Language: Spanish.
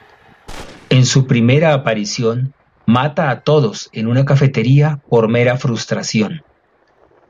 En su primera aparición, mata a todos en una cafetería por mera frustración.